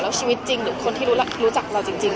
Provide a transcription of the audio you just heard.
แล้วชีวิตจริงหรือคนที่รู้จักเราจริง